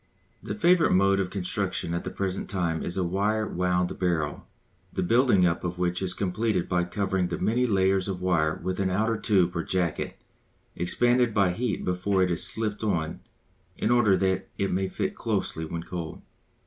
The favourite mode of construction at the present time is the wire wound barrel, the building up of which is completed by covering the many layers of wire with an outer tube or jacket expanded by heat before it is slipped on in order that it may fit closely when cold.